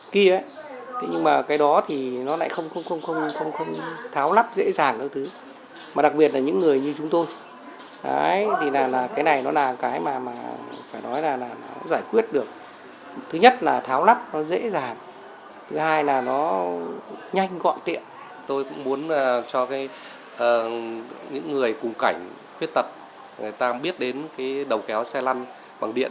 tôi cũng muốn cho những người cùng cảnh khuyết tật người ta biết đến đầu kéo xe lăn bằng điện